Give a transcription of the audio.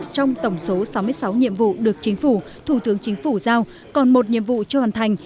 trong tổng số sáu mươi sáu nhiệm vụ được chính phủ thủ tướng chính phủ giao còn một nhiệm vụ chưa hoàn thành